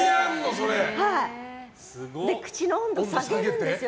それで口の温度下げるんですよ。